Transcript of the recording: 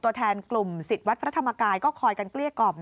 ตัวแทนกลุ่มสิทธิ์วัดพระธรรมกายก็คอยกันเกลี้ยกล่อม